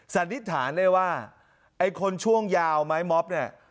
สันนิษฐานเลยว่าคนช่วงยาวไหมม็อฟเนี้ย